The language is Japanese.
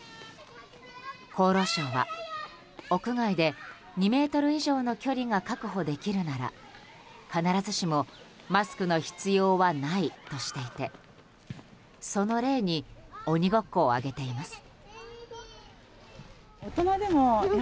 厚労省は、屋外で２ｍ以上の距離が確保できるなら必ずしもマスクの必要はないとしていてその例に鬼ごっこを挙げています。